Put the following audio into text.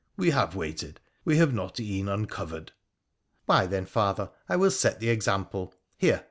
We have waited — we have not e'en uncovered.' ' Why, then, father, I will set the example. Here